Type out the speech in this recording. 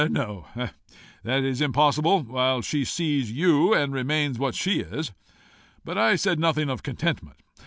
"No, that is impossible while she sees you and remains what she is. But I said nothing of contentment.